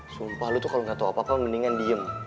sumpah lo tuh kalo gak tau apa apa mendingan diem